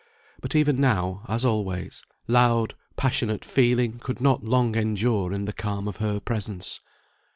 But even now, as always, loud passionate feeling could not long endure in the calm of her presence.